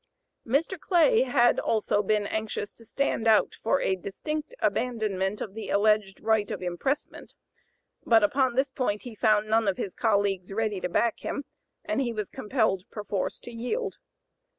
Mr. Clay had also been anxious to stand out for a distinct abandonment of the alleged right of impressment; but upon this point he found none of his colleagues ready to back him, and he was compelled perforce to yield.